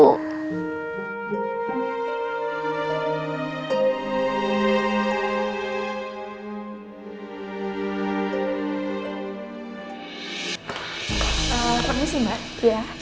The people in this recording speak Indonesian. kamu sih mbak